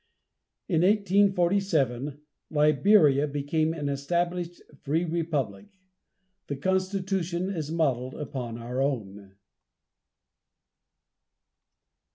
In 1847 LIBERIA became an established free republic. The constitution is modeled upon our own.